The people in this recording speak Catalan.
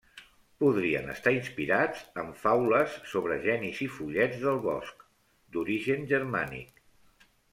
Podrien estar inspirats en faules sobre genis i follets del bosc, d'origen germànic.